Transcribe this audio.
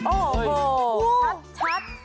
โอ้โฮชัด